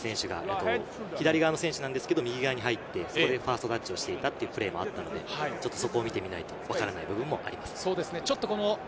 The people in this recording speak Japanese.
先ほどフィフィタ選手が、左側の選手なんですが、右側に入ってファーストタッチをしていたというプレーもあったので、そこを見てみないとわからない部分もあります。